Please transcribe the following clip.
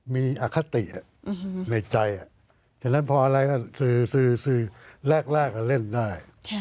มีอคติในใจฉะนั้นพออะไรสื่อแรกก็เล่นได้